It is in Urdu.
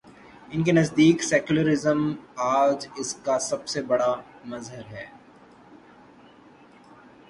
ان کے نزدیک سیکولرازم، آج اس کا سب سے بڑا مظہر ہے۔